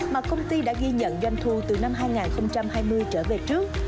mà công ty đã ghi nhận doanh thu từ năm hai nghìn hai mươi trở về trước